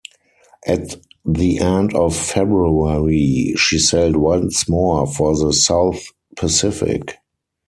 At the end of February, she sailed once more for the South Pacific.